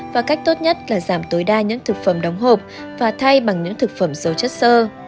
và cách tốt nhất là giảm tối đa những thực phẩm đóng hộp và thay bằng những thực phẩm dầu chất sơ